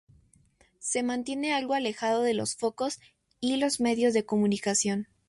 Se mantiene algo alejado de los focos y los medios de comunicación.